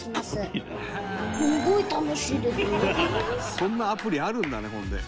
「そんなアプリあるんだねほんで」